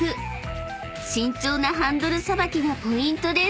［慎重なハンドルさばきがポイントです］